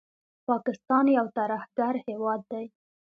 پاکستان یو ترهګر هیواد دي